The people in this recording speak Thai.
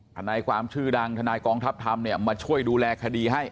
ทนายความชื่อดังทนายกองทัพธรรมเนี่ยมาช่วยดูแลคดีให้